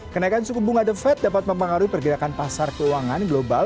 kenaikan suku bunga the fed dapat mempengaruhi pergerakan pasar keuangan global